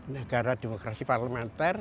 negara demokrasi parlementer